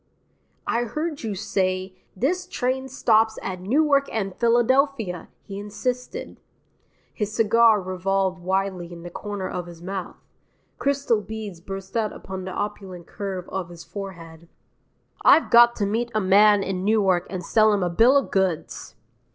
"I heard you say, This train stops at Newark and Philadelphia," he insisted. His cigar revolved wildly in the corner of his mouth; crystal beads burst out upon the opulent curve of his forehead. "I've got to meet a man in Newark and sell him a bill of goods."